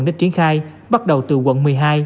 được triển khai bắt đầu từ quận một mươi hai